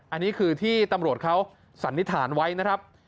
อันนี้คือที่ตำรวจเขาสันนิษฐานไว้นะครับ